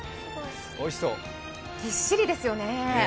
ぎっしりですよね。